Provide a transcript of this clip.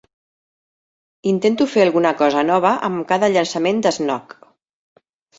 Intento fer alguna cosa nova amb cada llançament de Snog.